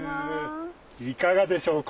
いかがでしょう？